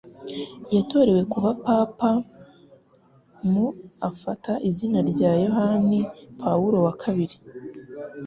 Yatorewe kuba Papa mu afata izina rya Yohani Pawulo wa II